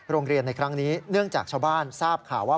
ในครั้งนี้เนื่องจากชาวบ้านทราบข่าวว่า